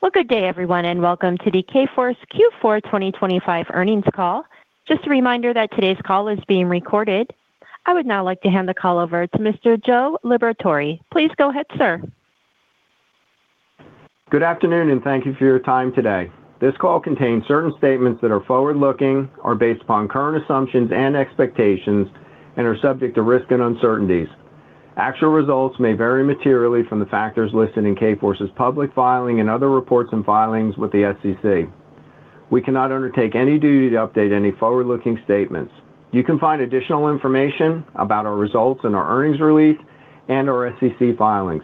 Well, good day everyone and welcome to the Kforce Q4 2025 earnings call. Just a reminder that today's call is being recorded. I would now like to hand the call over to Mr. Joe Liberatore. Please go ahead, sir. Good afternoon and thank you for your time today. This call contains certain statements that are forward-looking, are based upon current assumptions and expectations, and are subject to risk and uncertainties. Actual results may vary materially from the factors listed in Kforce's public filing and other reports and filings with the SEC. We cannot undertake any duty to update any forward-looking statements. You can find additional information about our results and our earnings release and our SEC filings.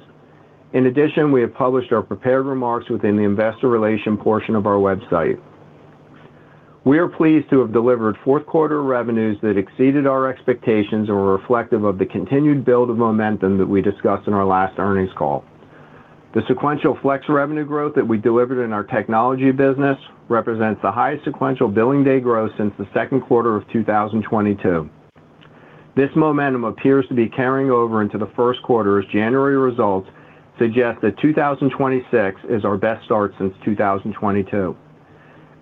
In addition, we have published our prepared remarks within the investor relations portion of our website. We are pleased to have delivered fourth quarter revenues that exceeded our expectations and were reflective of the continued build of momentum that we discussed in our last earnings call. The sequential flex revenue growth that we delivered in our technology business represents the highest sequential billing day growth since the second quarter of 2022. This momentum appears to be carrying over into the first quarter as January results suggest that 2026 is our best start since 2022.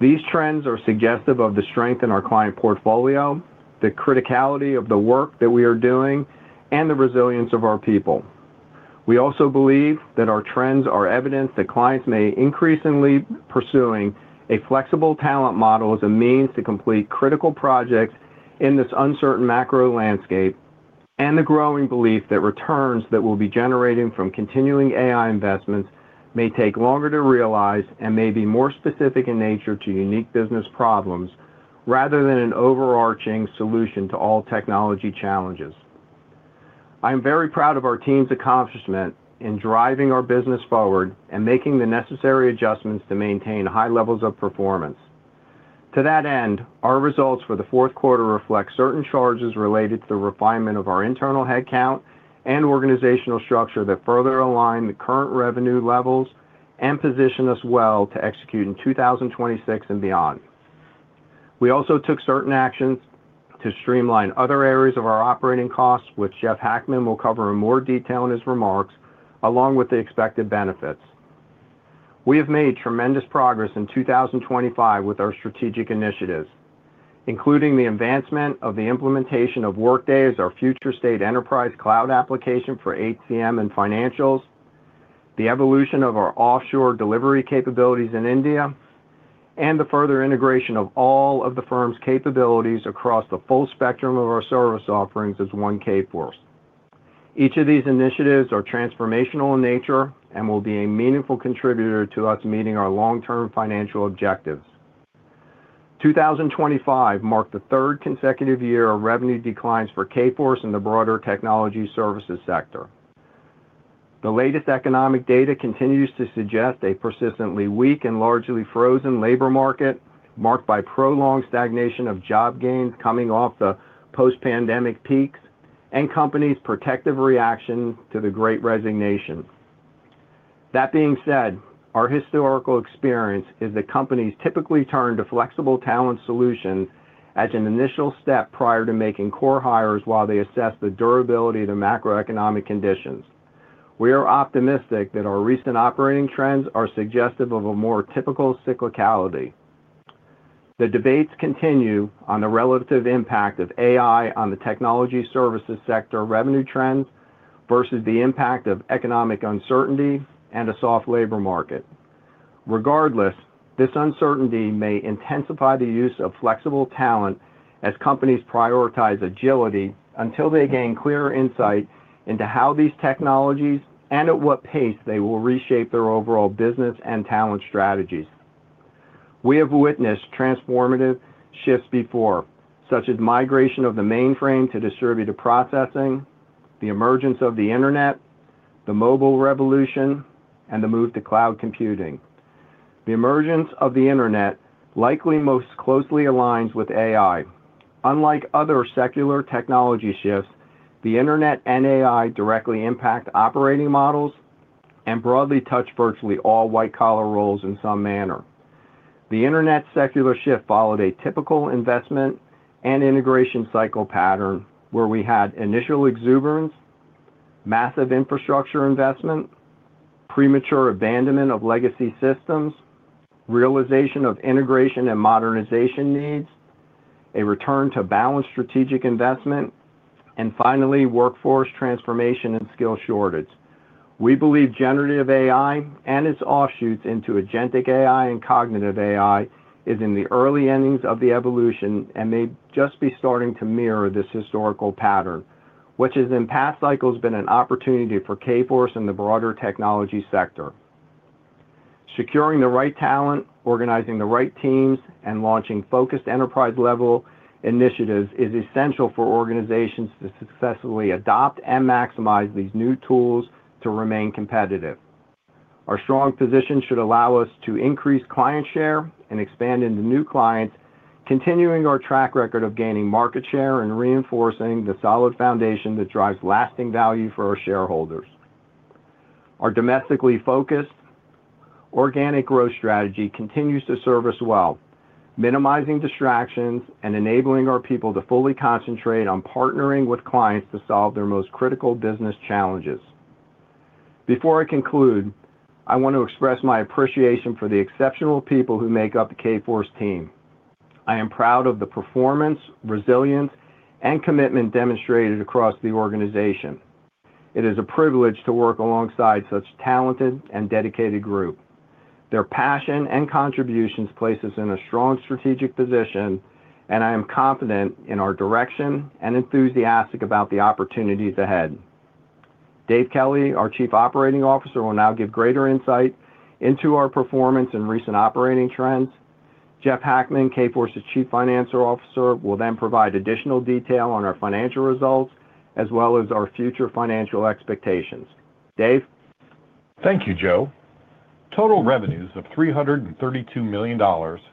These trends are suggestive of the strength in our client portfolio, the criticality of the work that we are doing, and the resilience of our people. We also believe that our trends are evidence that clients may increasingly be pursuing a flexible talent model as a means to complete critical projects in this uncertain macro landscape and the growing belief that returns that will be generated from continuing AI investments may take longer to realize and may be more specific in nature to unique business problems rather than an overarching solution to all technology challenges. I am very proud of our team's accomplishment in driving our business forward and making the necessary adjustments to maintain high levels of performance. To that end, our results for the fourth quarter reflect certain charges related to the refinement of our internal headcount and organizational structure that further align the current revenue levels and position us well to execute in 2026 and beyond. We also took certain actions to streamline other areas of our operating costs which Jeff Hackman will cover in more detail in his remarks along with the expected benefits. We have made tremendous progress in 2025 with our strategic initiatives including the advancement of the implementation of Workday as our future state enterprise cloud application for HCM and Financials, the evolution of our offshore delivery capabilities in India, and the further integration of all of the firm's capabilities across the full spectrum of our service offerings as one Kforce. Each of these initiatives are transformational in nature and will be a meaningful contributor to us meeting our long-term financial objectives. 2025 marked the third consecutive year of revenue declines for Kforce in the broader technology services sector. The latest economic data continues to suggest a persistently weak and largely frozen labor market marked by prolonged stagnation of job gain coming off the post-pandemic peaks and companies' protective reaction to the Great Resignation. That being said, our historical experience is that companies typically turn to flexible talent solutions as an initial step prior to making core hires while they assess the durability of the macroeconomic conditions. We are optimistic that our recent operating trends are suggestive of a more typical cyclicality. The debates continue on the relative impact of AI on the technology services sector revenue trends versus the impact of economic uncertainty and a soft labor market. Regardless, this uncertainty may intensify the use of flexible talent as companies prioritize agility until they gain clearer insight into how these technologies and at what pace they will reshape their overall business and talent strategies. We have witnessed transformative shifts before such as migration of the mainframe to distributed processing, the emergence of the internet, the mobile revolution, and the move to cloud computing. The emergence of the internet likely most closely aligns with AI. Unlike other secular technology shifts, the internet and AI directly impact operating models and broadly touch virtually all white-collar roles in some manner. The internet secular shift followed a typical investment and integration cycle pattern where we had initial exuberance, massive infrastructure investment, premature abandonment of legacy systems, realization of integration and modernization needs, a return to balanced strategic investment, and finally workforce transformation and skill shortage. We believe generative AI and its offshoots into agentic AI and cognitive AI is in the early innings of the evolution and may just be starting to mirror this historical pattern which has in past cycles been an opportunity for Kforce and the broader technology sector. Securing the right talent, organizing the right teams, and launching focused enterprise-level initiatives is essential for organizations to successfully adopt and maximize these new tools to remain competitive. Our strong position should allow us to increase client share and expand into new clients continuing our track record of gaining market share and reinforcing the solid foundation that drives lasting value for our shareholders. Our domestically focused organic growth strategy continues to serve us well minimizing distractions and enabling our people to fully concentrate on partnering with clients to solve their most critical business challenges. Before I conclude, I want to express my appreciation for the exceptional people who make up the Kforce team. I am proud of the performance, resilience, and commitment demonstrated across the organization. It is a privilege to work alongside such talented and dedicated group. Their passion and contributions place us in a strong strategic position and I am confident in our direction and enthusiastic about the opportunities ahead. Dave Kelly, our Chief Operating Officer, will now give greater insight into our performance and recent operating trends. Jeff Hackman, Kforce's Chief Financial Officer, will then provide additional detail on our financial results as well as our future financial expectations. Dave? Thank you, Joe. Total revenues of $332 million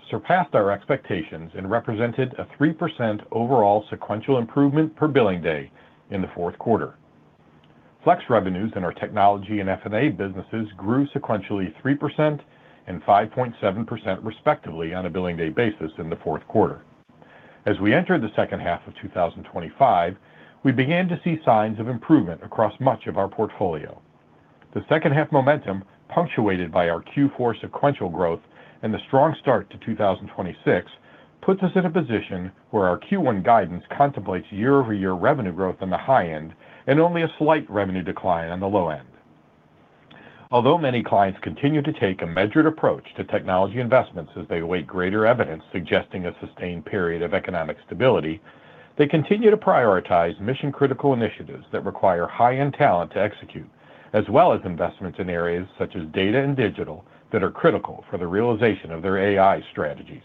surpassed our expectations and represented a 3% overall sequential improvement per billing day in the fourth quarter. Flex revenues in our technology and F&A businesses grew sequentially 3% and 5.7% respectively on a billing day basis in the fourth quarter. As we entered the second half of 2025, we began to see signs of improvement across much of our portfolio. The second half momentum punctuated by our Q4 sequential growth and the strong start to 2026 puts us in a position where our Q1 guidance contemplates year-over-year revenue growth on the high end and only a slight revenue decline on the low end. Although many clients continue to take a measured approach to technology investments as they await greater evidence suggesting a sustained period of economic stability, they continue to prioritize mission-critical initiatives that require high-end talent to execute as well as investments in areas such as data and digital that are critical for the realization of their AI strategies.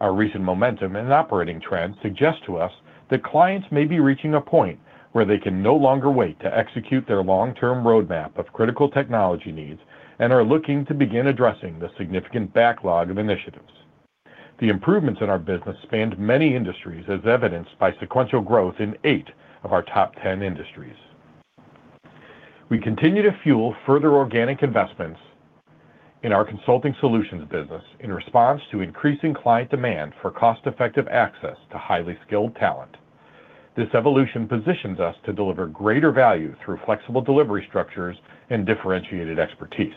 Our recent momentum and operating trends suggest to us that clients may be reaching a point where they can no longer wait to execute their long-term roadmap of critical technology needs and are looking to begin addressing the significant backlog of initiatives. The improvements in our business spanned many industries as evidenced by sequential growth in eight of our top 10 industries. We continue to fuel further organic investments in our consulting solutions business in response to increasing client demand for cost-effective access to highly skilled talent. This evolution positions us to deliver greater value through flexible delivery structures and differentiated expertise.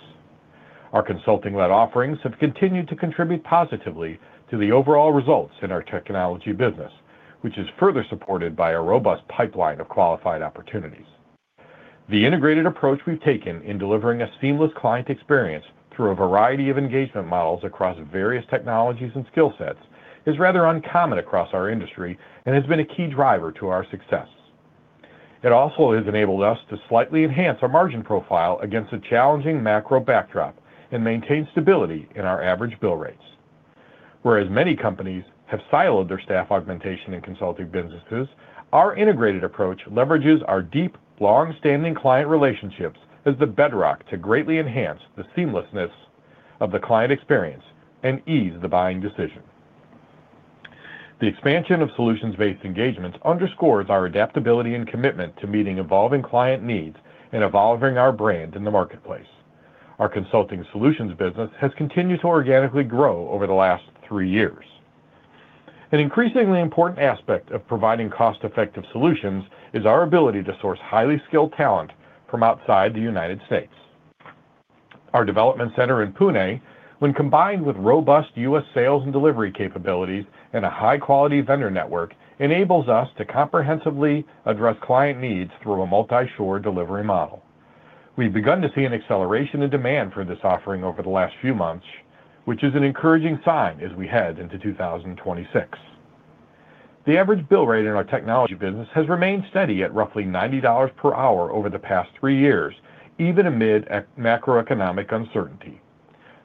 Our consulting-led offerings have continued to contribute positively to the overall results in our technology business which is further supported by a robust pipeline of qualified opportunities. The integrated approach we've taken in delivering a seamless client experience through a variety of engagement models across various technologies and skill sets is rather uncommon across our industry and has been a key driver to our success. It also has enabled us to slightly enhance our margin profile against a challenging macro backdrop and maintain stability in our average bill rates. Whereas many companies have siloed their staff augmentation in consulting businesses, our integrated approach leverages our deep long-standing client relationships as the bedrock to greatly enhance the seamlessness of the client experience and ease the buying decision. The expansion of solutions-based engagements underscores our adaptability and commitment to meeting evolving client needs and evolving our brand in the marketplace. Our consulting solutions business has continued to organically grow over the last three years. An increasingly important aspect of providing cost-effective solutions is our ability to source highly skilled talent from outside the United States. Our development center in Pune, when combined with robust U.S. sales and delivery capabilities and a high-quality vendor network, enables us to comprehensively address client needs through a multi-shore delivery model. We've begun to see an acceleration in demand for this offering over the last few months, which is an encouraging sign as we head into 2026. The average bill rate in our technology business has remained steady at roughly $90 per hour over the past three years even amid macroeconomic uncertainty.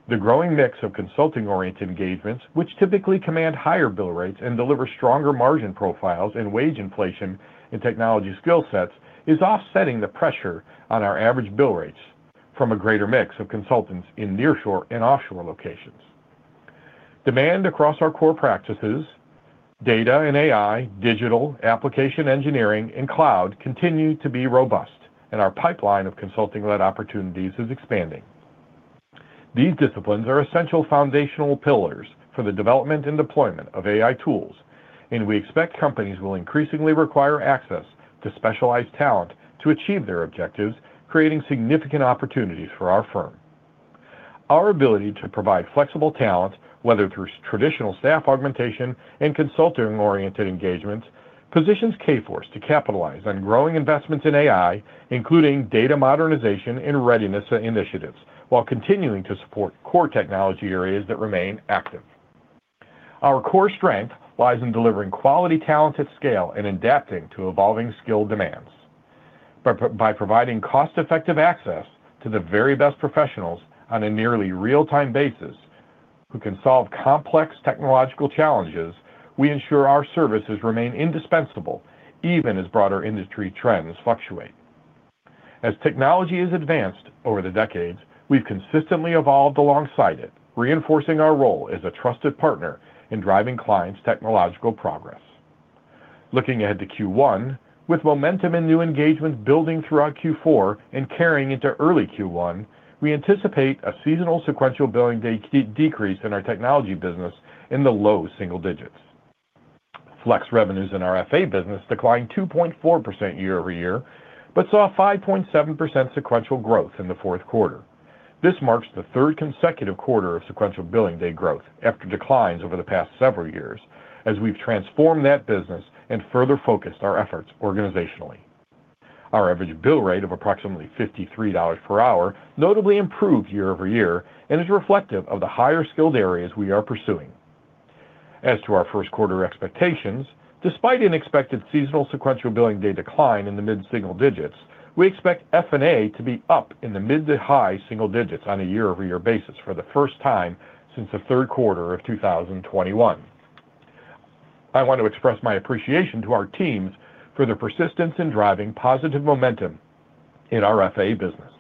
The growing mix of consulting-oriented engagements which typically command higher bill rates and deliver stronger margin profiles and wage inflation in technology skill sets is offsetting the pressure on our average bill rates from a greater mix of consultants in nearshore and offshore locations. Demand across our core practices, data and AI, digital, application engineering, and cloud continue to be robust and our pipeline of consulting-led opportunities is expanding. These disciplines are essential foundational pillars for the development and deployment of AI tools and we expect companies will increasingly require access to specialized talent to achieve their objectives creating significant opportunities for our firm. Our ability to provide flexible talent whether through traditional staff augmentation and consulting-oriented engagements positions Kforce to capitalize on growing investments in AI including data modernization and readiness initiatives while continuing to support core technology areas that remain active. Our core strength lies in delivering quality talent at scale and adapting to evolving skill demands. By providing cost-effective access to the very best professionals on a nearly real-time basis who can solve complex technological challenges, we ensure our services remain indispensable even as broader industry trends fluctuate. As technology has advanced over the decades, we've consistently evolved alongside it reinforcing our role as a trusted partner in driving clients' technological progress. Looking ahead to Q1 with momentum in new engagements building throughout Q4 and carrying into early Q1, we anticipate a seasonal sequential billing day decrease in our technology business in the low single digits. Flex revenues in our FA business declined 2.4% year-over-year but saw 5.7% sequential growth in the fourth quarter. This marks the third consecutive quarter of sequential billing day growth after declines over the past several years as we've transformed that business and further focused our efforts organizationally. Our average bill rate of approximately $53 per hour notably improved year-over-year and is reflective of the higher skilled areas we are pursuing. As to our first quarter expectations, despite unexpected seasonal sequential billing day decline in the mid-single digits, we expect F&A to be up in the mid to high single digits on a year-over-year basis for the first time since the third quarter of 2021. I want to express my appreciation to our teams for their persistence in driving positive momentum in our FA business.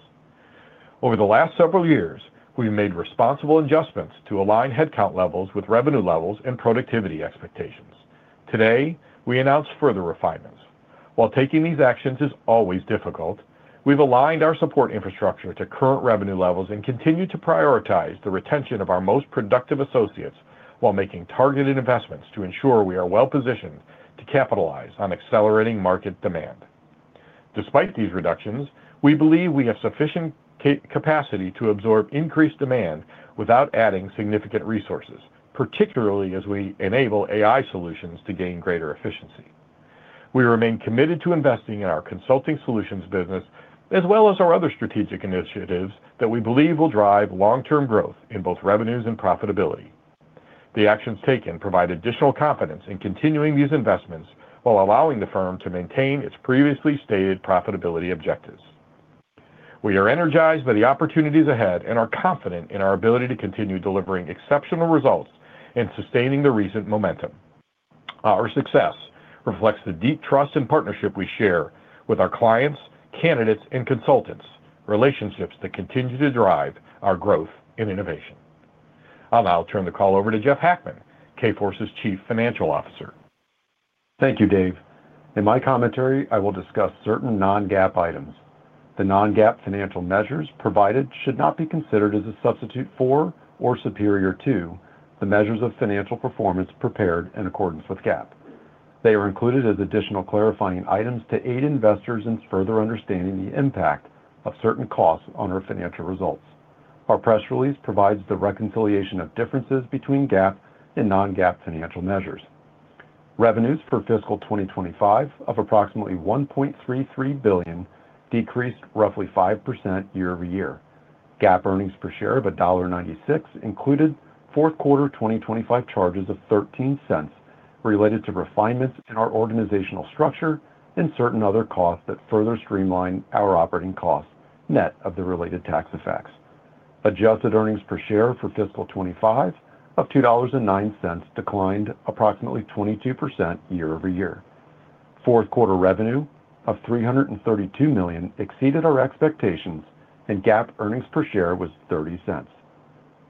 Over the last several years, we've made responsible adjustments to align headcount levels with revenue levels and productivity expectations. Today, we announce further refinements. While taking these actions is always difficult, we've aligned our support infrastructure to current revenue levels and continue to prioritize the retention of our most productive associates while making targeted investments to ensure we are well-positioned to capitalize on accelerating market demand. Despite these reductions, we believe we have sufficient capacity to absorb increased demand without adding significant resources particularly as we enable AI solutions to gain greater efficiency. We remain committed to investing in our consulting solutions business as well as our other strategic initiatives that we believe will drive long-term growth in both revenues and profitability. The actions taken provide additional confidence in continuing these investments while allowing the firm to maintain its previously stated profitability objectives. We are energized by the opportunities ahead and are confident in our ability to continue delivering exceptional results and sustaining the recent momentum. Our success reflects the deep trust and partnership we share with our clients, candidates, and consultants, relationships that continue to drive our growth and innovation. I'll now turn the call over to Jeff Hackman, Kforce's Chief Financial Officer. Thank you, Dave. In my commentary, I will discuss certain non-GAAP items. The non-GAAP financial measures provided should not be considered as a substitute for or superior to the measures of financial performance prepared in accordance with GAAP. They are included as additional clarifying items to aid investors in further understanding the impact of certain costs on our financial results. Our press release provides the reconciliation of differences between GAAP and non-GAAP financial measures. Revenues for fiscal 2025 of approximately $1.33 billion decreased roughly 5% year-over-year. GAAP earnings per share of $1.96 included fourth quarter 2025 charges of $0.13 related to refinements in our organizational structure and certain other costs that further streamline our operating costs net of the related tax effects. Adjusted earnings per share for fiscal 2025 of $2.09 declined approximately 22% year-over-year. Fourth quarter revenue of $332 million exceeded our expectations and GAAP earnings per share was $0.30.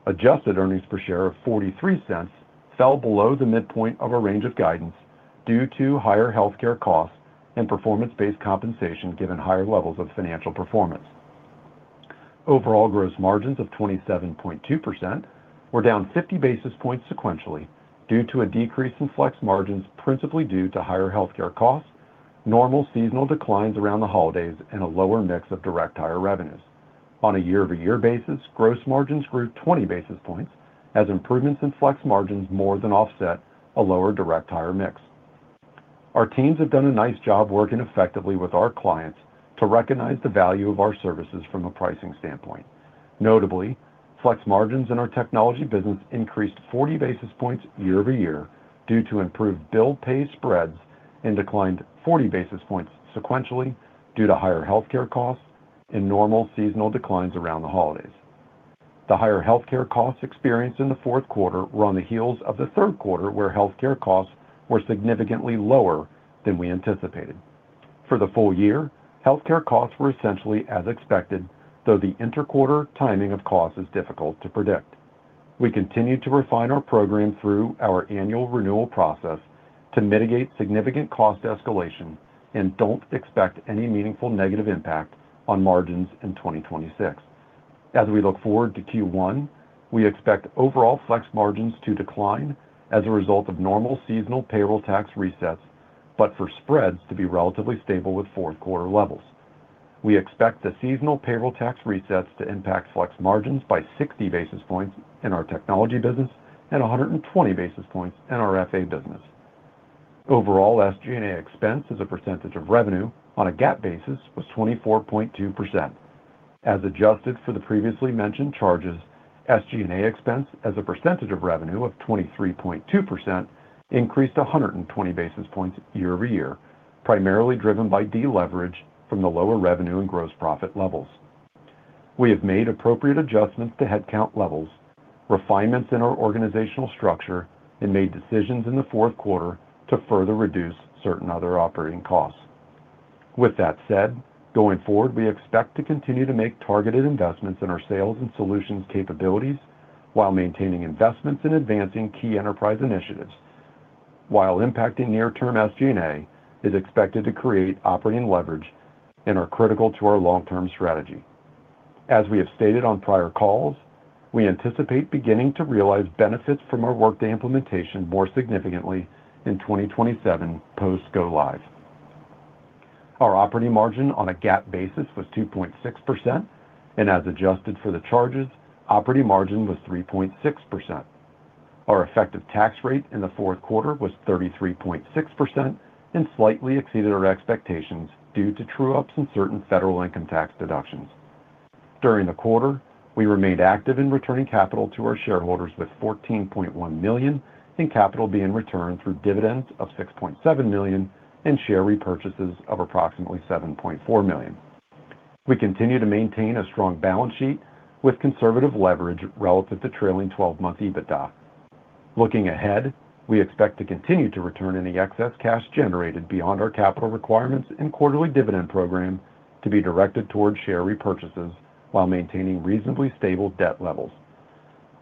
Adjusted earnings per share of $0.43 fell below the midpoint of a range of guidance due to higher healthcare costs and performance-based compensation given higher levels of financial performance. Overall gross margins of 27.2% were down 50 basis points sequentially due to a decrease in flex margins principally due to higher healthcare costs, normal seasonal declines around the holidays, and a lower mix of direct hire revenues. On a year-over-year basis, gross margins grew 20 basis points as improvements in flex margins more than offset a lower direct hire mix. Our teams have done a nice job working effectively with our clients to recognize the value of our services from a pricing standpoint. Notably, flex margins in our technology business increased 40 basis points year-over-year due to improved bill pay spreads and declined 40 basis points sequentially due to higher healthcare costs and normal seasonal declines around the holidays. The higher healthcare costs experienced in the fourth quarter were on the heels of the third quarter where healthcare costs were significantly lower than we anticipated. For the full year, healthcare costs were essentially as expected though the interquarter timing of costs is difficult to predict. We continue to refine our program through our annual renewal process to mitigate significant cost escalation and don't expect any meaningful negative impact on margins in 2026. As we look forward to Q1, we expect overall flex margins to decline as a result of normal seasonal payroll tax resets but for spreads to be relatively stable with fourth quarter levels. We expect the seasonal payroll tax resets to impact flex margins by 60 basis points in our technology business and 120 basis points in our FA business. Overall SG&A expense as a percentage of revenue on a GAAP basis was 24.2%. As adjusted for the previously mentioned charges, SG&A expense as a percentage of revenue of 23.2% increased 120 basis points year-over-year primarily driven by deleverage from the lower revenue and gross profit levels. We have made appropriate adjustments to headcount levels, refinements in our organizational structure, and made decisions in the fourth quarter to further reduce certain other operating costs. With that said, going forward, we expect to continue to make targeted investments in our sales and solutions capabilities while maintaining investments in advancing key enterprise initiatives while impacting near-term SG&A is expected to create operating leverage and are critical to our long-term strategy. As we have stated on prior calls, we anticipate beginning to realize benefits from our Workday implementation more significantly in 2027 post-go live. Our operating margin on a GAAP basis was 2.6% and as adjusted for the charges, operating margin was 3.6%. Our effective tax rate in the fourth quarter was 33.6% and slightly exceeded our expectations due to true-ups and certain federal income tax deductions. During the quarter, we remained active in returning capital to our shareholders with $14.1 million and capital being returned through dividends of $6.7 million and share repurchases of approximately $7.4 million. We continue to maintain a strong balance sheet with conservative leverage relative to trailing 12-month EBITDA. Looking ahead, we expect to continue to return any excess cash generated beyond our capital requirements in quarterly dividend program to be directed toward share repurchases while maintaining reasonably stable debt levels.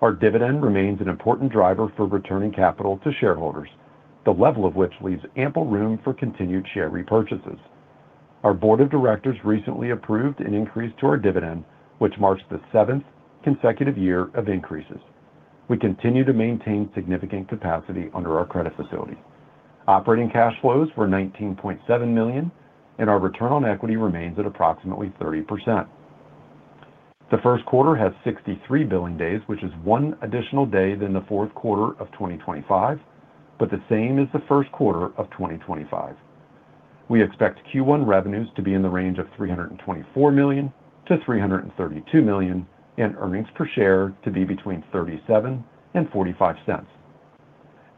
Our dividend remains an important driver for returning capital to shareholders, the level of which leaves ample room for continued share repurchases. Our Board of Directors recently approved an increase to our dividend, which marks the seventh consecutive year of increases. We continue to maintain significant capacity under our credit facilities. Operating cash flows were $19.7 million and our return on equity remains at approximately 30%. The first quarter has 63 billing days, which is one additional day than the fourth quarter of 2025 but the same as the first quarter of 2025. We expect Q1 revenues to be in the range of $324 million-$332 million and earnings per share to be between $0.37 and $0.45.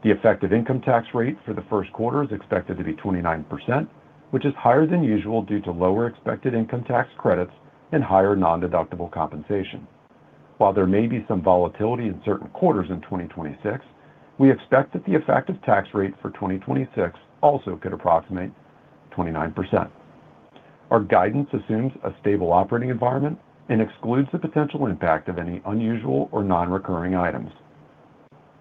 The effective income tax rate for the first quarter is expected to be 29%, which is higher than usual due to lower expected income tax credits and higher non-deductible compensation. While there may be some volatility in certain quarters in 2026, we expect that the effective tax rate for 2026 also could approximate 29%. Our guidance assumes a stable operating environment and excludes the potential impact of any unusual or non-recurring items.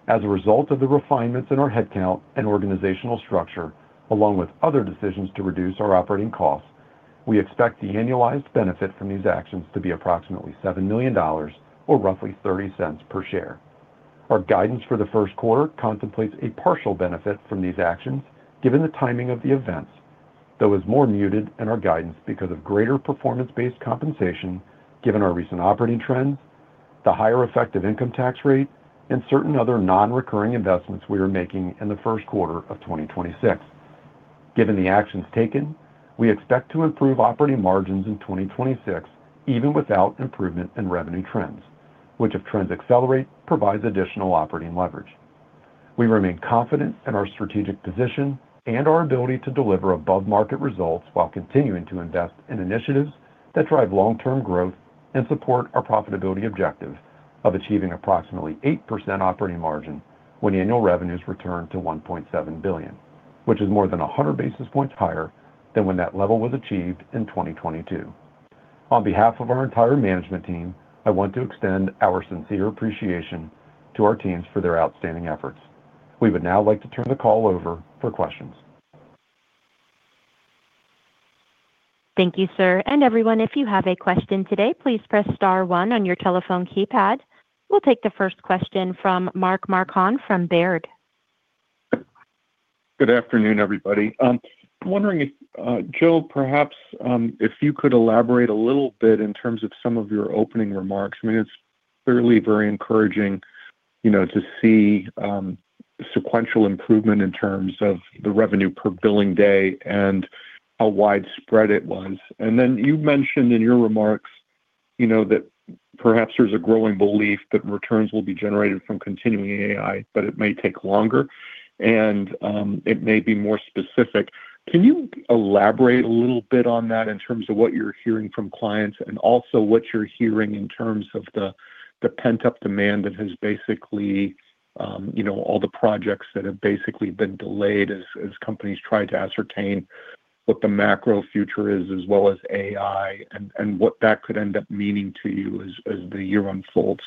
As a result of the refinements in our headcount and organizational structure along with other decisions to reduce our operating costs, we expect the annualized benefit from these actions to be approximately $7 million or roughly $0.30 per share. Our guidance for the first quarter contemplates a partial benefit from these actions given the timing of the events though is more muted in our guidance because of greater performance-based compensation given our recent operating trends, the higher effective income tax rate, and certain other non-recurring investments we are making in the first quarter of 2026. Given the actions taken, we expect to improve operating margins in 2026 even without improvement in revenue trends, which if trends accelerate provides additional operating leverage. We remain confident in our strategic position and our ability to deliver above-market results while continuing to invest in initiatives that drive long-term growth and support our profitability objective of achieving approximately 8% operating margin when annual revenues return to $1.7 billion, which is more than 100 basis points higher than when that level was achieved in 2022. On behalf of our entire management team, I want to extend our sincere appreciation to our teams for their outstanding efforts. We would now like to turn the call over for questions. Thank you, sir. Everyone, if you have a question today, please press star one on your telephone keypad. We'll take the first question from Mark Marcon from Baird. Good afternoon, everybody. I'm wondering if Joe, perhaps if you could elaborate a little bit in terms of some of your opening remarks. I mean, it's clearly very encouraging to see sequential improvement in terms of the revenue per billing day and how widespread it was. And then you mentioned in your remarks that perhaps there's a growing belief that returns will be generated from continuing AI but it may take longer and it may be more specific. Can you elaborate a little bit on that in terms of what you're hearing from clients and also what you're hearing in terms of the pent-up demand that has basically all the projects that have basically been delayed as companies try to ascertain what the macro future is as well as AI and what that could end up meaning to you as the year unfolds?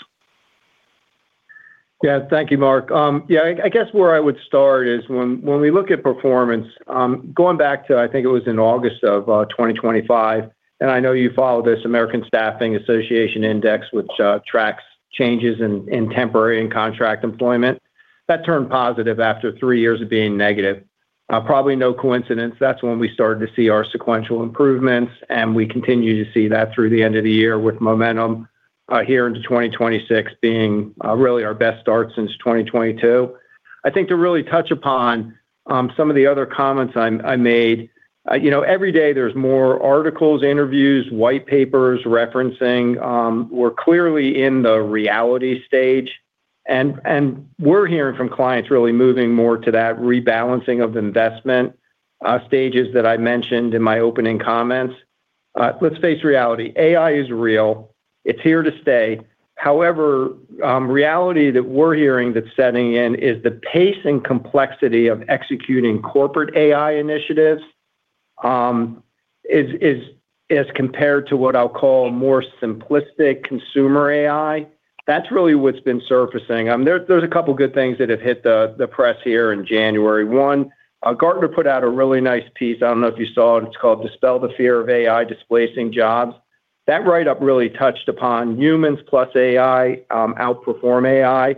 Yeah. Thank you, Mark. Yeah. I guess where I would start is when we look at performance going back to, I think it was in August of 2025, and I know you follow this American Staffing Association Index, which tracks changes in temporary and contract employment. That turned positive after three years of being negative. Probably no coincidence. That's when we started to see our sequential improvements, and we continue to see that through the end of the year with momentum here into 2026 being really our best start since 2022. I think to really touch upon some of the other comments I made, every day there's more articles, interviews, white papers referencing. We're clearly in the reality stage, and we're hearing from clients really moving more to that rebalancing of investment stages that I mentioned in my opening comments. Let's face reality. AI is real. It's here to stay. However, reality that we're hearing that's setting in is the pace and complexity of executing corporate AI initiatives as compared to what I'll call more simplistic consumer AI. That's really what's been surfacing. There's a couple of good things that have hit the press here in January. One, Gartner put out a really nice piece. I don't know if you saw it. It's called Dispel the Fear of AI Displacing Jobs. That write-up really touched upon humans plus AI outperform AI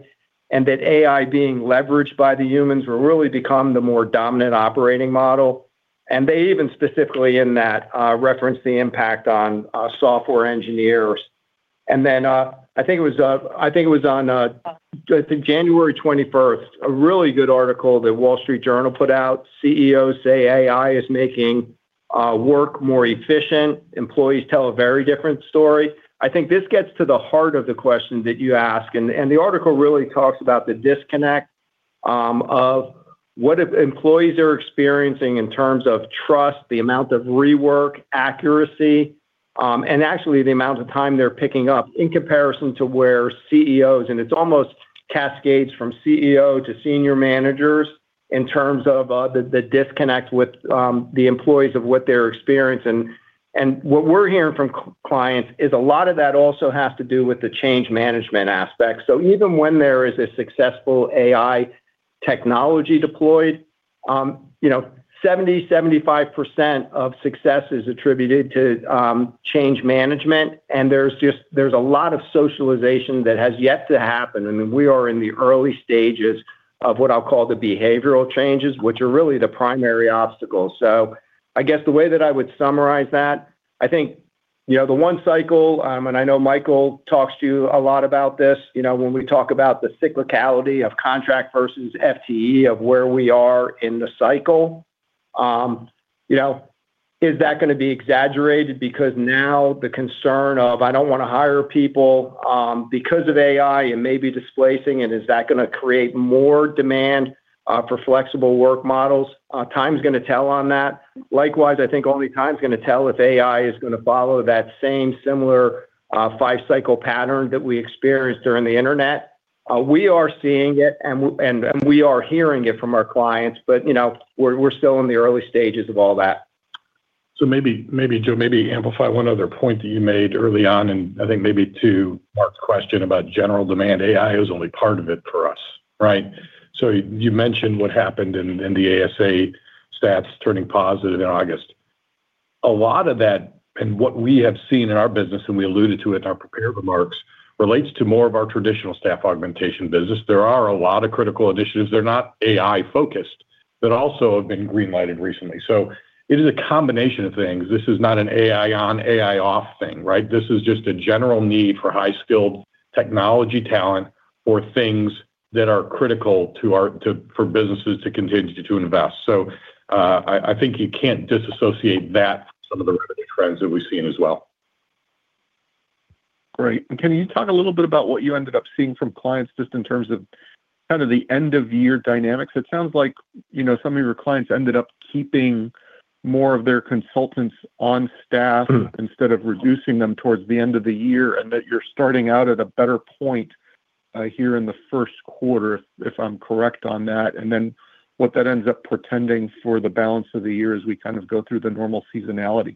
and that AI being leveraged by the humans will really become the more dominant operating model. And they even specifically in that referenced the impact on software engineers. And then I think it was I think it was on I think January 21st, a really good article that Wall Street Journal put out. CEOs say AI is making work more efficient. Employees tell a very different story. I think this gets to the heart of the question that you ask and the article really talks about the disconnect of what employees are experiencing in terms of trust, the amount of rework, accuracy, and actually the amount of time they're picking up in comparison to where CEOs and it's almost cascades from CEO to senior managers in terms of the disconnect with the employees of what they're experiencing. And what we're hearing from clients is a lot of that also has to do with the change management aspect. So even when there is a successful AI technology deployed, 70%-75% of success is attributed to change management and there's a lot of socialization that has yet to happen. I mean, we are in the early stages of what I'll call the behavioral changes which are really the primary obstacles. So I guess the way that I would summarize that, I think the one cycle and I know Michael talks to you a lot about this when we talk about the cyclicality of contract versus FTE of where we are in the cycle, is that going to be exaggerated because now the concern of I don't want to hire people because of AI and maybe displacing it, is that going to create more demand for flexible work models? Time's going to tell on that. Likewise, I think only time's going to tell if AI is going to follow that same similar five-cycle pattern that we experienced during the internet. We are seeing it and we are hearing it from our clients but we're still in the early stages of all that. So maybe, Joe, maybe amplify one other point that you made early on and I think maybe to Mark's question about general demand. AI is only part of it for us, right? So you mentioned what happened in the ASA stats turning positive in August. A lot of that and what we have seen in our business and we alluded to it in our prepared remarks relates to more of our traditional staff augmentation business. There are a lot of critical initiatives. They're not AI-focused that also have been greenlighted recently. So it is a combination of things. This is not an AI on, AI off thing, right? This is just a general need for high-skilled technology talent for things that are critical for businesses to continue to invest. So I think you can't disassociate that from some of the revenue trends that we've seen as well. Great. Can you talk a little bit about what you ended up seeing from clients just in terms of kind of the end-of-year dynamics? It sounds like some of your clients ended up keeping more of their consultants on staff instead of reducing them towards the end of the year and that you're starting out at a better point here in the first quarter if I'm correct on that and then what that ends up portending for the balance of the year as we kind of go through the normal seasonality.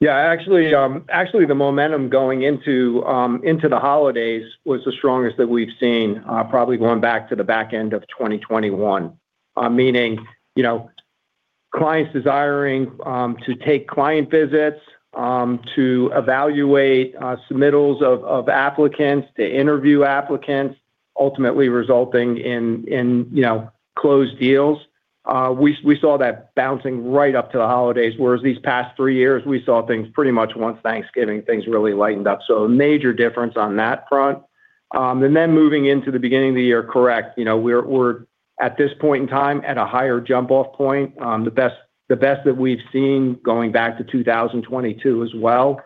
Yeah. Actually, the momentum going into the holidays was the strongest that we've seen probably going back to the back end of 2021 meaning clients desiring to take client visits, to evaluate submittals of applicants, to interview applicants ultimately resulting in closed deals. We saw that bouncing right up to the holidays whereas these past three years, we saw things pretty much once Thanksgiving, things really lightened up. So a major difference on that front. And then moving into the beginning of the year, correct. We're at this point in time at a higher jump-off point. The best that we've seen going back to 2022 as well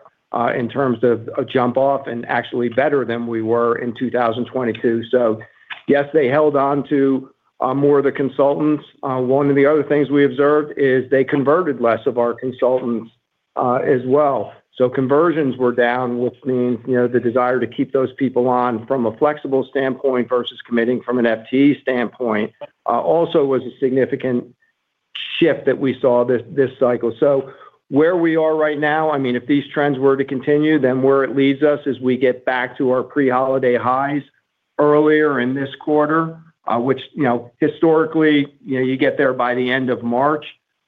in terms of a jump-off and actually better than we were in 2022. So yes, they held onto more of the consultants. One of the other things we observed is they converted less of our consultants as well. So conversions were down, which means the desire to keep those people on from a flexible standpoint versus committing from an FTE standpoint also was a significant shift that we saw this cycle. So where we are right now, I mean, if these trends were to continue, then where it leads us is we get back to our pre-holiday highs earlier in this quarter, which historically, you get there by the end of March.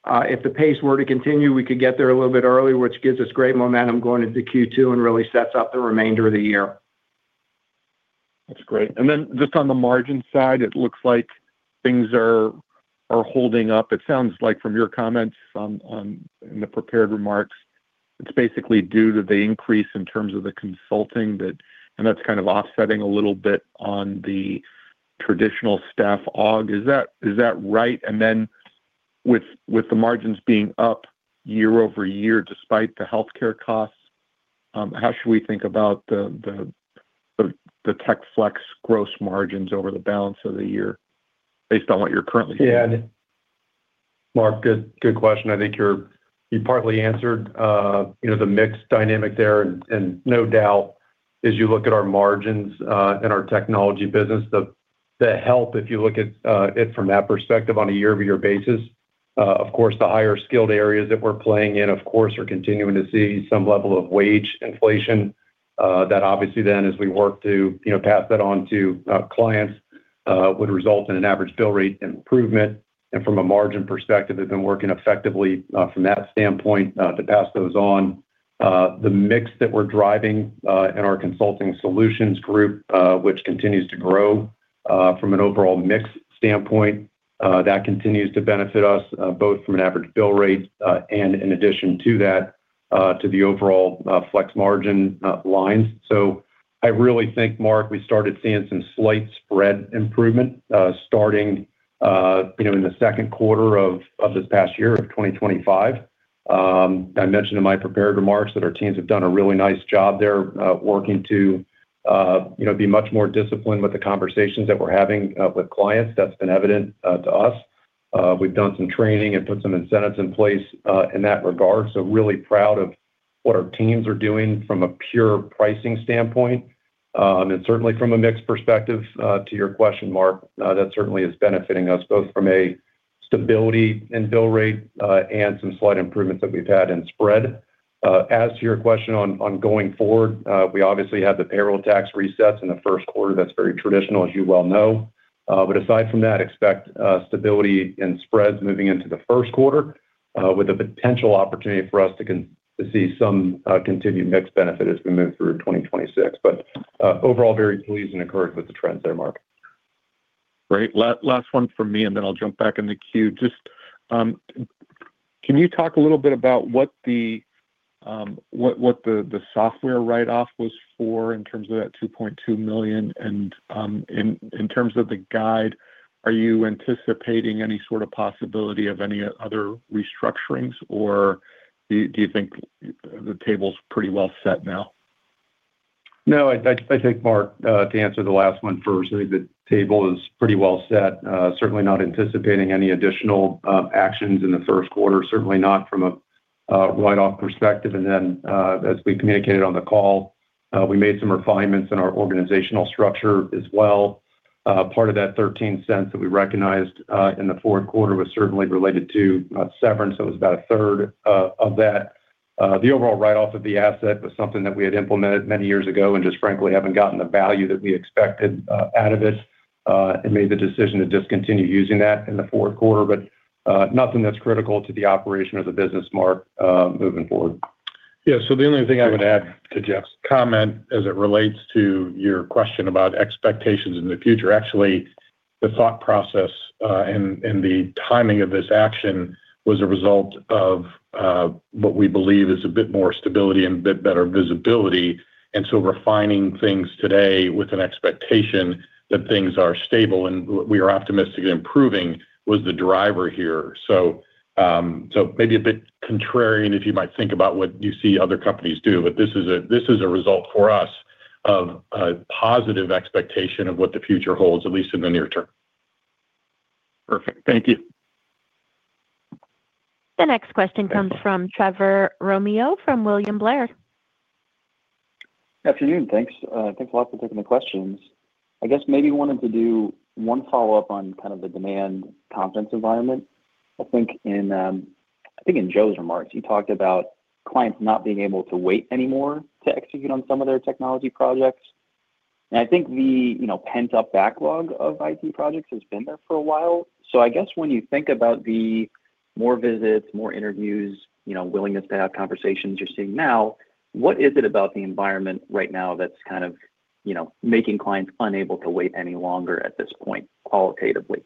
If the pace were to continue, we could get there a little bit early, which gives us great momentum going into Q2 and really sets up the remainder of the year. That's great. And then just on the margin side, it looks like things are holding up. It sounds like from your comments in the prepared remarks, it's basically due to the increase in terms of the consulting that and that's kind of offsetting a little bit on the traditional staff aug. Is that right? And then with the margins being up year-over-year despite the healthcare costs, how should we think about the tech flex gross margins over the balance of the year based on what you're currently seeing? Yeah. Mark, good question. I think you partly answered the mixed dynamic there and no doubt as you look at our margins and our technology business, the help if you look at it from that perspective on a year-over-year basis, of course, the higher skilled areas that we're playing in, of course, are continuing to see some level of wage inflation that obviously then as we work to pass that on to clients would result in an average bill rate improvement. And from a margin perspective, they've been working effectively from that standpoint to pass those on. The mix that we're driving in our consulting solutions group, which continues to grow from an overall mixed standpoint, that continues to benefit us both from an average bill rate and in addition to that, to the overall flex margin lines. So I really think, Mark, we started seeing some slight spread improvement starting in the second quarter of this past year of 2025. I mentioned in my prepared remarks that our teams have done a really nice job there working to be much more disciplined with the conversations that we're having with clients. That's been evident to us. We've done some training and put some incentives in place in that regard. So really proud of what our teams are doing from a pure pricing standpoint and certainly from a mixed perspective to your question, Mark, that certainly is benefiting us both from a stability in bill rate and some slight improvements that we've had in spread. As to your question on going forward, we obviously have the payroll tax resets in the first quarter. That's very traditional as you well know. Aside from that, expect stability in spreads moving into the first quarter with a potential opportunity for us to see some continued mixed benefit as we move through 2026. Overall, very pleased and encouraged with the trends there, Mark. Great. Last one from me and then I'll jump back in the queue. Just can you talk a little bit about what the software write-off was for in terms of that $2.2 million? And in terms of the guide, are you anticipating any sort of possibility of any other restructurings or do you think the table's pretty well set now? No. I think, Mark, to answer the last one first, I think the table is pretty well set. Certainly not anticipating any additional actions in the first quarter. Certainly not from a write-off perspective. And then as we communicated on the call, we made some refinements in our organizational structure as well. Part of that $0.13 that we recognized in the fourth quarter was certainly related to severance. That was about a third of that. The overall write-off of the asset was something that we had implemented many years ago and just frankly haven't gotten the value that we expected out of it and made the decision to discontinue using that in the fourth quarter but nothing that's critical to the operation of the business, Mark, moving forward. Yeah. So the only thing I would add to Jeff's comment as it relates to your question about expectations in the future. Actually, the thought process and the timing of this action was a result of what we believe is a bit more stability and a bit better visibility. And so refining things today with an expectation that things are stable and we are optimistic in improving was the driver here. So maybe a bit contrarian if you might think about what you see other companies do, but this is a result for us of a positive expectation of what the future holds at least in the near term. Perfect. Thank you. The next question comes from Trevor Romeo from William Blair. Afternoon. Thanks a lot for taking the questions. I guess maybe wanted to do one follow-up on kind of the demand confidence environment. I think in Joe's remarks, he talked about clients not being able to wait anymore to execute on some of their technology projects. I think the pent-up backlog of IT projects has been there for a while. I guess when you think about the more visits, more interviews, willingness to have conversations you're seeing now, what is it about the environment right now that's kind of making clients unable to wait any longer at this point qualitatively?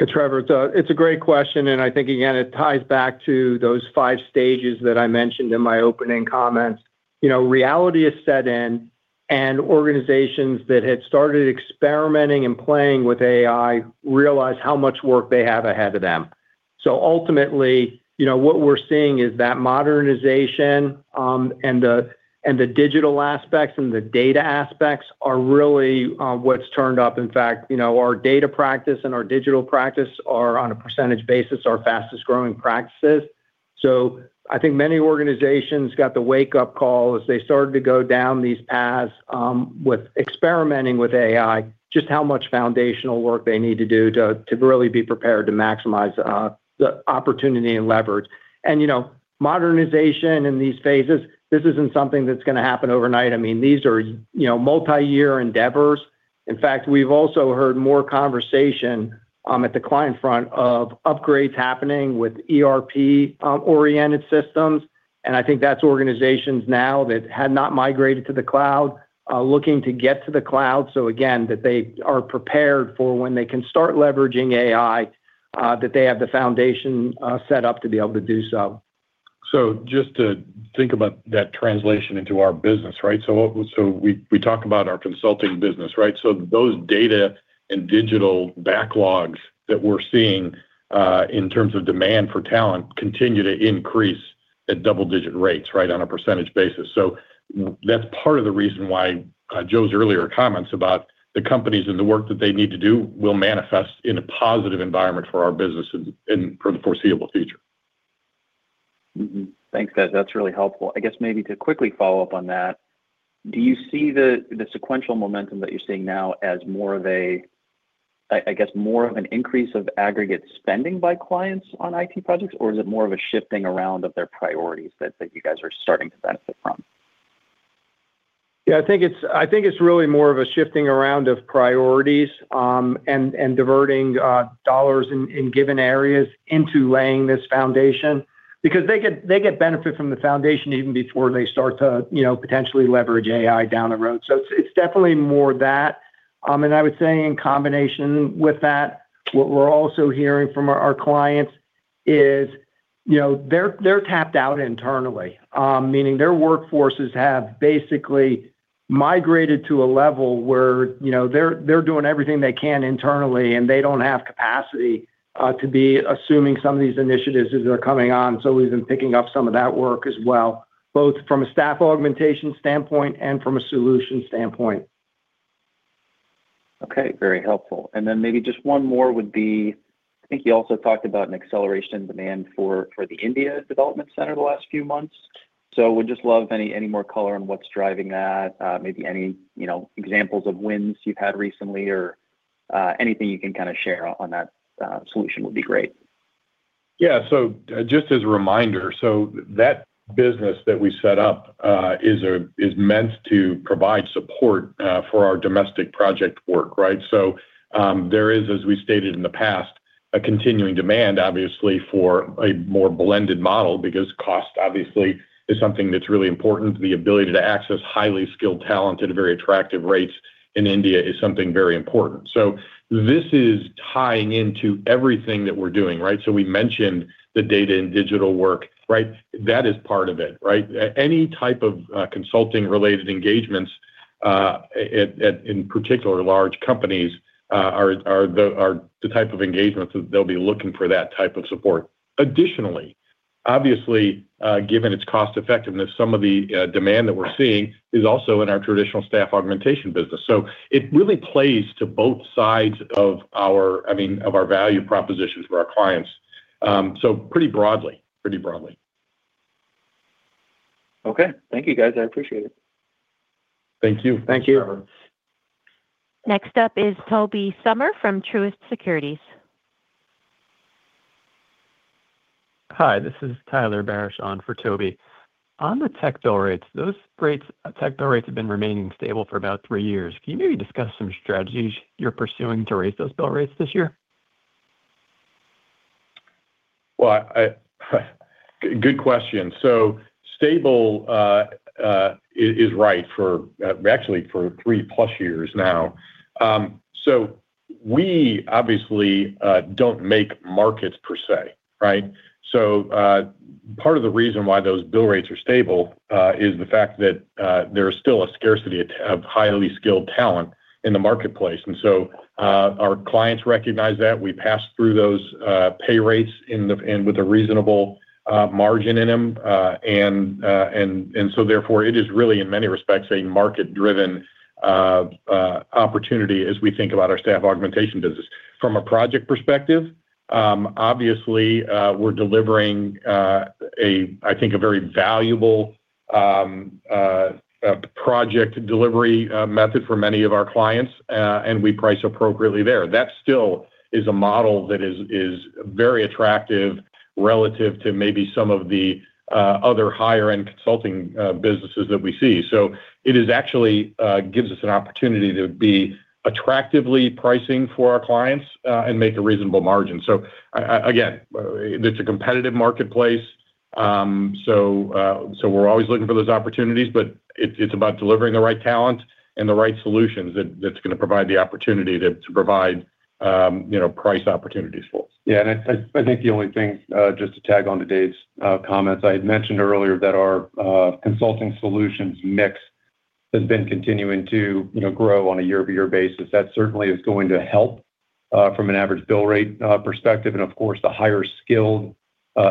Yeah, Trevor. It's a great question and I think, again, it ties back to those five stages that I mentioned in my opening comments. Reality is set in and organizations that had started experimenting and playing with AI realize how much work they have ahead of them. So ultimately, what we're seeing is that modernization and the digital aspects and the data aspects are really what's turned up. In fact, our data practice and our digital practice are on a percentage basis our fastest growing practices. So I think many organizations got the wake-up call as they started to go down these paths with experimenting with AI just how much foundational work they need to do to really be prepared to maximize the opportunity and leverage. And modernization in these phases, this isn't something that's going to happen overnight. I mean, these are multi-year endeavors. In fact, we've also heard more conversation at the client front of upgrades happening with ERP-oriented systems. And I think that's organizations now that had not migrated to the cloud looking to get to the cloud. So again, that they are prepared for when they can start leveraging AI, that they have the foundation set up to be able to do so. So just to think about that translation into our business, right? So we talk about our consulting business, right? So those data and digital backlogs that we're seeing in terms of demand for talent continue to increase at double-digit rates, right, on a percentage basis. So that's part of the reason why Joe's earlier comments about the companies and the work that they need to do will manifest in a positive environment for our business and for the foreseeable future. Thanks, guys. That's really helpful. I guess maybe to quickly follow up on that, do you see the sequential momentum that you're seeing now as more of a I guess more of an increase of aggregate spending by clients on IT projects or is it more of a shifting around of their priorities that you guys are starting to benefit from? Yeah. I think it's really more of a shifting around of priorities and diverting dollars in given areas into laying this foundation because they get benefit from the foundation even before they start to potentially leverage AI down the road. So it's definitely more that. I would say, in combination with that, what we're also hearing from our clients is they're tapped out internally, meaning their workforces have basically migrated to a level where they're doing everything they can internally and they don't have capacity to be assuming some of these initiatives as they're coming on. So we've been picking up some of that work as well, both from a staff augmentation standpoint and from a solution standpoint. Okay. Very helpful. And then maybe just one more would be I think you also talked about an acceleration in demand for the India Development Center the last few months. So would just love any more color on what's driving that, maybe any examples of wins you've had recently or anything you can kind of share on that solution would be great. Yeah. So just as a reminder, that business that we set up is meant to provide support for our domestic project work, right? So there is, as we stated in the past, a continuing demand obviously for a more blended model because cost obviously is something that's really important. The ability to access highly skilled talent at a very attractive rate in India is something very important. So this is tying into everything that we're doing, right? So we mentioned the data and digital work, right? That is part of it, right? Any type of consulting-related engagements, in particular large companies, are the type of engagement that they'll be looking for that type of support. Additionally, obviously, given its cost-effectiveness, some of the demand that we're seeing is also in our traditional staff augmentation business. So it really plays to both sides of our, I mean, of our value propositions for our clients. So pretty broadly, pretty broadly. Okay. Thank you, guys. I appreciate it. Thank you. Thank you. Next up is Tobey Sommer from Truist Securities. Hi. This is Tyler Barishaw on for Tobey. On the tech bill rates, those tech bill rates have been remaining stable for about three years. Can you maybe discuss some strategies you're pursuing to raise those bill rates this year? Well, good question. So stable is right actually for 3+ years now. So we obviously don't make markets per se, right? So part of the reason why those bill rates are stable is the fact that there's still a scarcity of highly skilled talent in the marketplace. And so our clients recognize that. We pass through those pay rates with a reasonable margin in them. And so therefore, it is really in many respects a market-driven opportunity as we think about our staff augmentation business. From a project perspective, obviously, we're delivering, I think, a very valuable project delivery method for many of our clients and we price appropriately there. That still is a model that is very attractive relative to maybe some of the other higher-end consulting businesses that we see. So it actually gives us an opportunity to be attractively pricing for our clients and make a reasonable margin. So again, it's a competitive marketplace. So we're always looking for those opportunities but it's about delivering the right talent and the right solutions that's going to provide the opportunity to provide price opportunities for us. Yeah. And I think the only thing just to tag on to Dave's comments, I had mentioned earlier that our consulting solutions mix has been continuing to grow on a year-over-year basis. That certainly is going to help from an average bill rate perspective. And of course, the higher skilled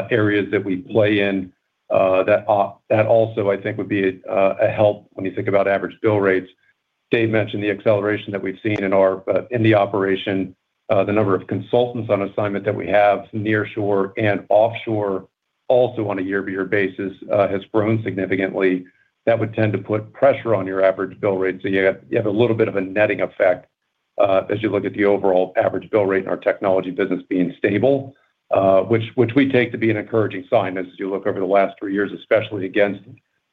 areas that we play in, that also I think would be a help when you think about average bill rates. Dave mentioned the acceleration that we've seen in the operation, the number of consultants on assignment that we have nearshore and offshore also on a year-over-year basis has grown significantly. That would tend to put pressure on your average bill rate. So you have a little bit of a netting effect as you look at the overall average bill rate in our technology business being stable, which we take to be an encouraging sign as you look over the last three years, especially against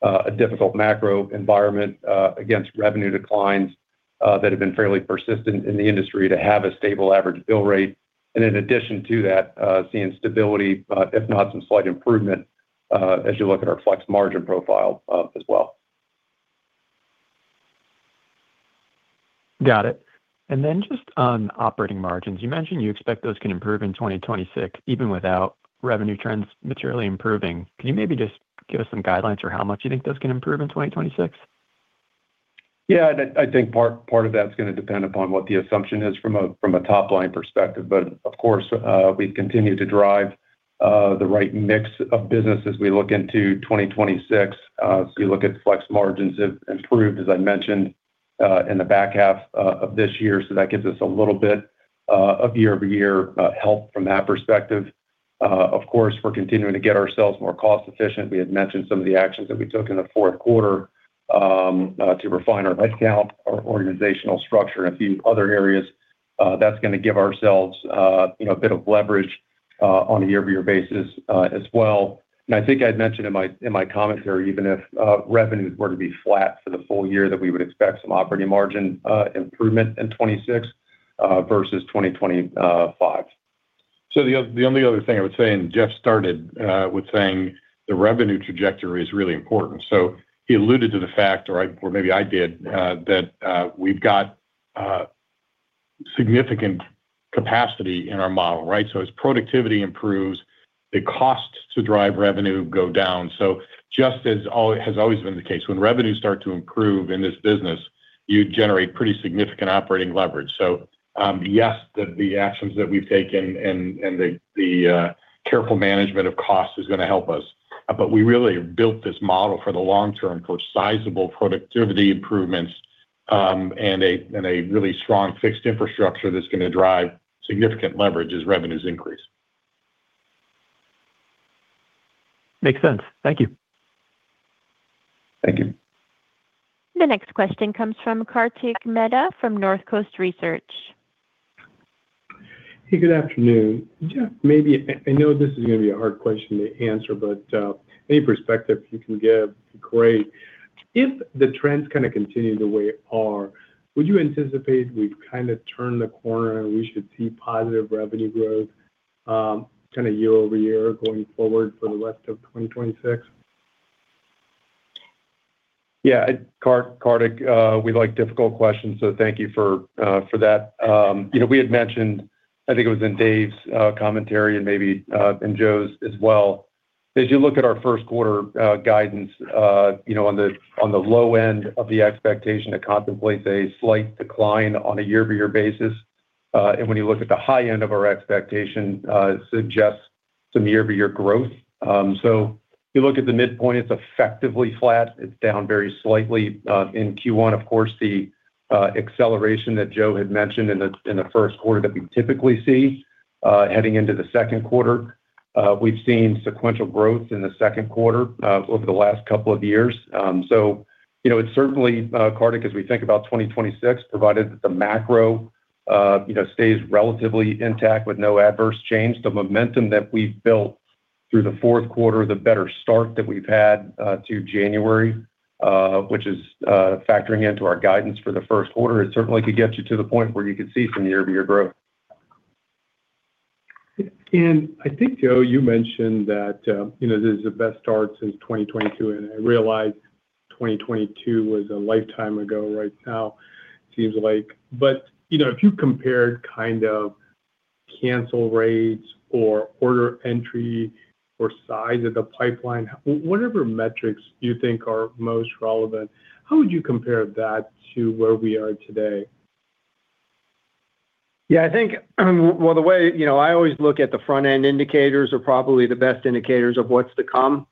a difficult macro environment, against revenue declines that have been fairly persistent in the industry to have a stable average bill rate. In addition to that, seeing stability if not some slight improvement as you look at our flex margin profile as well. Got it. And then just on operating margins, you mentioned you expect those can improve in 2026 even without revenue trends materially improving. Can you maybe just give us some guidelines for how much you think those can improve in 2026? Yeah. And I think part of that's going to depend upon what the assumption is from a top-line perspective. But of course, we've continued to drive the right mix of business as we look into 2026. So you look at flex margins have improved as I mentioned in the back half of this year. So that gives us a little bit of year-over-year help from that perspective. Of course, we're continuing to get ourselves more cost-efficient. We had mentioned some of the actions that we took in the fourth quarter to refine our headcount, our organizational structure, and a few other areas. That's going to give ourselves a bit of leverage on a year-over-year basis as well. And I think I had mentioned in my commentary even if revenues were to be flat for the full year that we would expect some operating margin improvement in 2026 versus 2025. So the only other thing I would say and Jeff started with saying the revenue trajectory is really important. So he alluded to the fact or maybe I did that we've got significant capacity in our model, right? So as productivity improves, the cost to drive revenue go down. So just as has always been the case, when revenues start to improve in this business, you generate pretty significant operating leverage. So yes, the actions that we've taken and the careful management of cost is going to help us. But we really have built this model for the long term for sizable productivity improvements and a really strong fixed infrastructure that's going to drive significant leverage as revenues increase. Makes sense. Thank you. Thank you. The next question comes from Kartik Mehta from Northcoast Research. Hey, good afternoon. Jeff, maybe I know this is going to be a hard question to answer but any perspective you can give would be great. If the trends kind of continue the way they are, would you anticipate we've kind of turned the corner and we should see positive revenue growth kind of year-over-year going forward for the rest of 2026? Yeah. Kartik, we like difficult questions. So thank you for that. We had mentioned I think it was in Dave's commentary and maybe in Joe's as well. As you look at our first quarter guidance, on the low end of the expectation to contemplate a slight decline on a year-over-year basis. And when you look at the high end of our expectation, it suggests some year-over-year growth. So if you look at the midpoint, it's effectively flat. It's down very slightly. In Q1, of course, the acceleration that Joe had mentioned in the first quarter that we typically see heading into the second quarter, we've seen sequential growth in the second quarter over the last couple of years. So it's certainly Kartik, as we think about 2026, provided that the macro stays relatively intact with no adverse change. The momentum that we've built through the fourth quarter, the better start that we've had to January which is factoring into our guidance for the first quarter, it certainly could get you to the point where you could see some year-over-year growth. And I think, Joe, you mentioned that this is the best start since 2022. And I realize 2022 was a lifetime ago, right now seems like. But if you compared kind of cancel rates or order entry or size of the pipeline, whatever metrics you think are most relevant, how would you compare that to where we are today? Yeah. I think well, the way I always look at the front-end indicators are probably the best indicators of what's to come.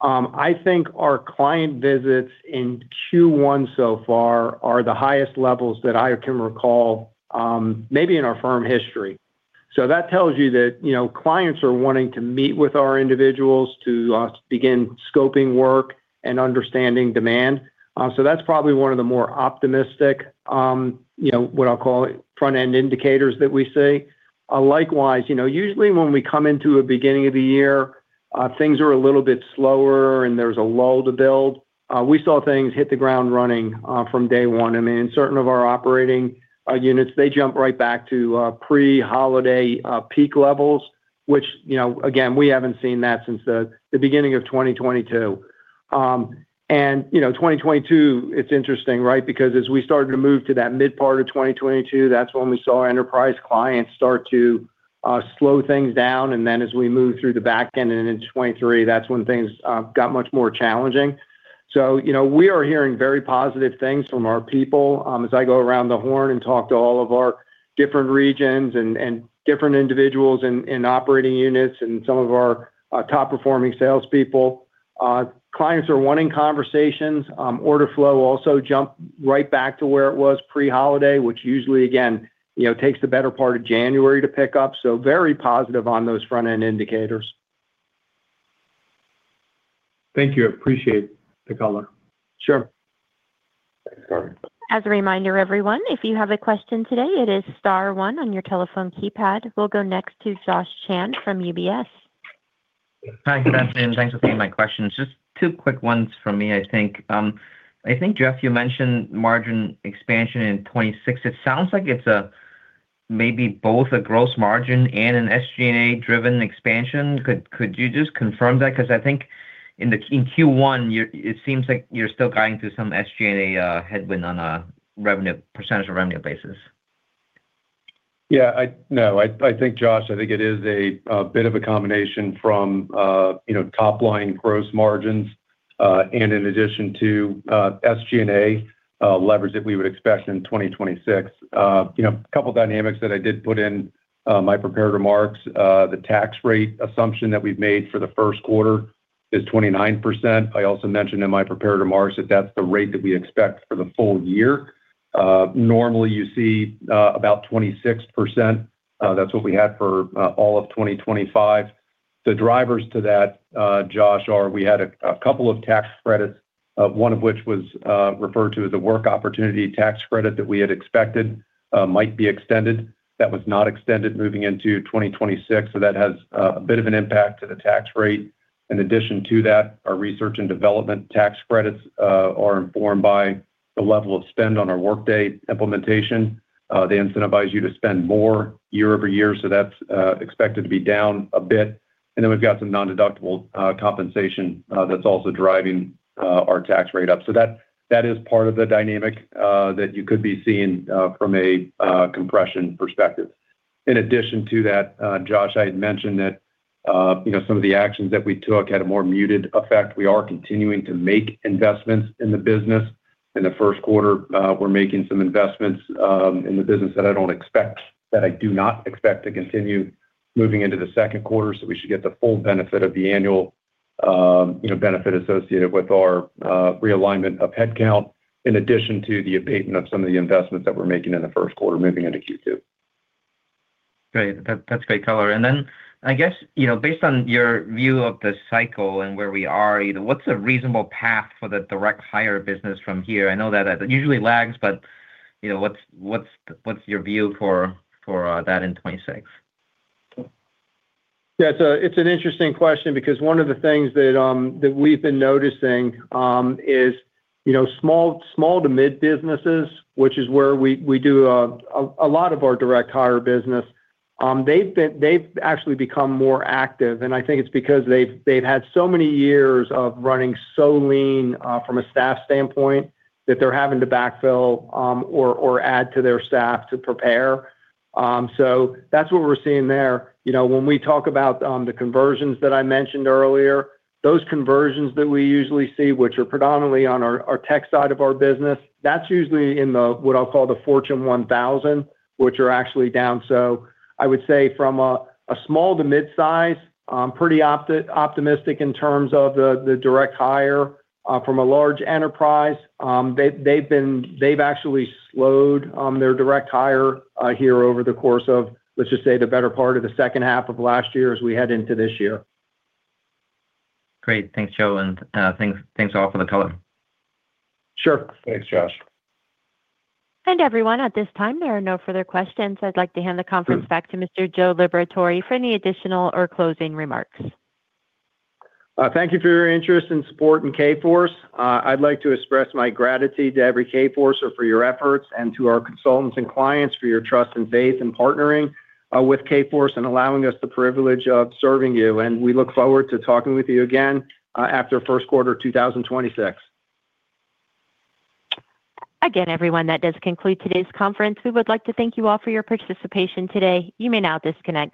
I think our client visits in Q1 so far are the highest levels that I can recall maybe in our firm history. So that tells you that clients are wanting to meet with our individuals to begin scoping work and understanding demand. So that's probably one of the more optimistic what I'll call front-end indicators that we see. Likewise, usually when we come into the beginning of the year, things are a little bit slower and there's a lull to build. We saw things hit the ground running from day one. I mean, in certain of our operating units, they jump right back to pre-holiday peak levels which again, we haven't seen that since the beginning of 2022. And 2022, it's interesting, right? Because as we started to move to that mid-part of 2022, that's when we saw enterprise clients start to slow things down. And then as we move through the back end and into 2023, that's when things got much more challenging. So we are hearing very positive things from our people as I go around the horn and talk to all of our different regions and different individuals in operating units and some of our top-performing salespeople. Clients are wanting conversations. Order flow also jumped right back to where it was pre-holiday which usually, again, takes the better part of January to pick up. So very positive on those front-end indicators. Thank you. I appreciate the color. Sure. As a reminder, everyone, if you have a question today, it is star one on your telephone keypad. We'll go next to Josh Chan from UBS. Hi, Josh Chan. Thanks for taking my questions. Just two quick ones from me, I think. I think, Jeff, you mentioned margin expansion in 2026. It sounds like it's maybe both a gross margin and an SG&A-driven expansion. Could you just confirm that? Because I think in Q1, it seems like you're still going through some SG&A headwind on a percentage of revenue basis. Yeah. No. I think, Josh, I think it is a bit of a combination from top-line gross margins and in addition to SG&A leverage that we would expect in 2026. A couple of dynamics that I did put in my prepared remarks, the tax rate assumption that we've made for the first quarter is 29%. I also mentioned in my prepared remarks that that's the rate that we expect for the full year. Normally, you see about 26%. That's what we had for all of 2025. The drivers to that, Josh, are we had a couple of tax credits one of which was referred to as a Work Opportunity Tax Credit that we had expected might be extended. That was not extended moving into 2026. So that has a bit of an impact to the tax rate. In addition to that, our Research and Development Tax Credits are informed by the level of spend on our Workday implementation. They incentivize you to spend more year-over-year. So that's expected to be down a bit. Then we've got some non-deductible compensation that's also driving our tax rate up. So that is part of the dynamic that you could be seeing from a compression perspective. In addition to that, Josh, I had mentioned that some of the actions that we took had a more muted effect. We are continuing to make investments in the business. In the first quarter, we're making some investments in the business that I do not expect to continue moving into the second quarter. So we should get the full benefit of the annual benefit associated with our realignment of headcount in addition to the abatement of some of the investments that we're making in the first quarter moving into Q2. Great. That's great color. And then I guess based on your view of the cycle and where we are, what's a reasonable path for the direct hire business from here? I know that usually lags but what's your view for that in 2026? Yeah. So it's an interesting question because one of the things that we've been noticing is small to mid-businesses which is where we do a lot of our direct hire business, they've actually become more active. And I think it's because they've had so many years of running so lean from a staff standpoint that they're having to backfill or add to their staff to prepare. So that's what we're seeing there. When we talk about the conversions that I mentioned earlier, those conversions that we usually see which are predominantly on our tech side of our business, that's usually in what I'll call the Fortune 1000 which are actually down. So I would say from a small to mid-size, I'm pretty optimistic in terms of the direct hire. From a large enterprise, they've actually slowed their direct hire here over the course of, let's just say, the better part of the second half of last year as we head into this year. Great. Thanks, Joe. Thanks all for the color. Sure. Thanks, Josh. Everyone, at this time, there are no further questions. I'd like to hand the conference back to Mr. Joe Liberatore for any additional or closing remarks. Thank you for your interest in supporting Kforce. I'd like to express my gratitude to every Kforcer for your efforts and to our consultants and clients for your trust and faith in partnering with Kforce and allowing us the privilege of serving you. We look forward to talking with you again after first quarter 2026. Again, everyone, that does conclude today's conference. We would like to thank you all for your participation today. You may now disconnect.